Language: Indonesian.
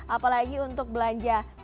apalagi untuk belanja kebuk